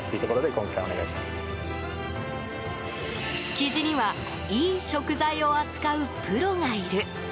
築地にはいい食材を扱うプロがいる。